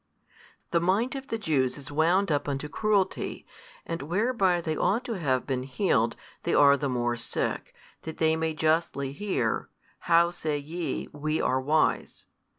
The mind of the Jews is wound up unto cruelty, and whereby they ought to have been healed, they are the more sick, that they may justly hear, How say ye, WE are wise?